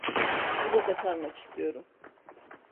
Burada kalmak istiyorum.